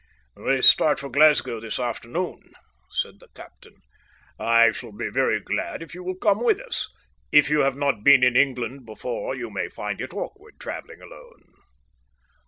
"We start for Glasgow this afternoon," said the captain; "I shall be very glad if you will come with us. If you have not been in England before you may find it awkward travelling alone."